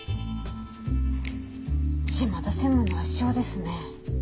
島田専務の圧勝ですね。